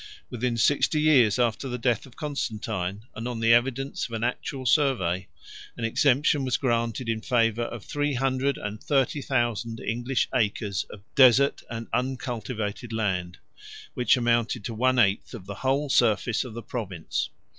Within sixty years after the death of Constantine, and on the evidence of an actual survey, an exemption was granted in favor of three hundred and thirty thousand English acres of desert and uncultivated land; which amounted to one eighth of the whole surface of the province.